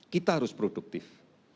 kita harus produktif